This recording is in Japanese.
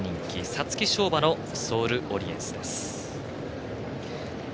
皐月賞馬のソールオリエンスです。